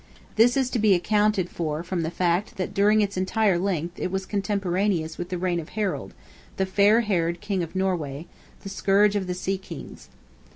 This is to be accounted for from the fact, that during its entire length it was contemporaneous with the reign of Harold, "the Fair haired" King of Norway, the scourge of the sea kings.